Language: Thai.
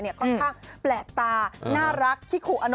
ก็ค่อนข้างแปลกตาน่ารักขี้ขู่อันนั้น